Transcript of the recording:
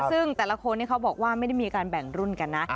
ซึ่งแต่ละคนเขาบอกว่าไม่ได้มีการแบ่งรุ่นกันนะ